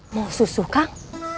mau susu kang